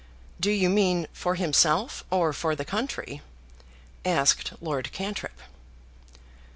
"Do you mean for himself or for the country?" asked Lord Cantrip.